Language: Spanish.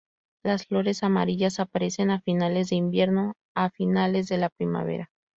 Las flores amarillas aparecen a finales de invierno a finales de la primavera.